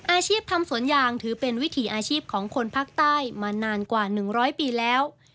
อาชีพทำสวนยางถือเป็นวิถีอาชีพของคนภาคใต้มานานกว่า๑๐๐ปีแล้ว